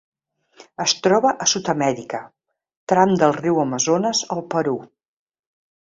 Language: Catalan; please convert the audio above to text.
Es troba a Sud-amèrica: tram del riu Amazones al Perú.